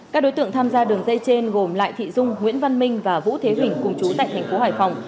các đối tượng tham gia đường dây trên gồm lại thị dung nguyễn văn minh và vũ thế huỳnh cùng chú tại thành phố hải phòng